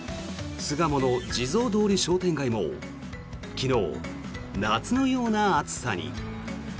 巣鴨の地蔵通り商店街も昨日、夏のような暑さに。